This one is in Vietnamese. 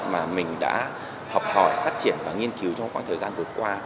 mà mình đã học hỏi phát triển và nghiên cứu trong khoảng thời gian vừa qua